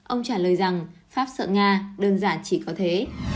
ông trả lời rằng pháp sợ nga đơn giản chỉ có thế